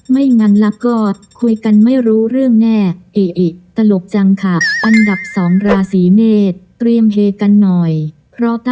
ไม่งั้นล่ะก็คุยกันไม่รู้เรื่องแน่เอ๊ะตลกจังค่ะ